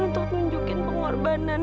untuk tunjukin pengorbanan